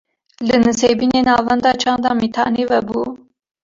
Li Nisêbînê, Navenda Çanda Mîtanî vebû